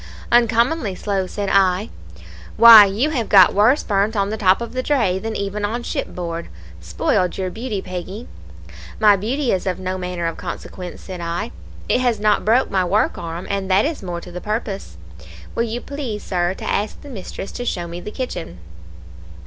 "'Uncommonly slow,' said I. "'Why, you have got worse burnt on the top of the dray than even on shipboard. Spoiled your beauty, Peggy.' "'My beauty is of no manner of consequence,' said I, 'it has not broke my work arm, and that is more to the purpose. Will you please, Sir, to ask the mistress to show me the kitchen?'